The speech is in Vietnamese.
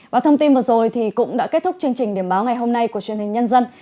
và thông tin vừa rồi cũng đã kết thúc chương trình điểm báo ngày hôm nay của truyền hình nhân dân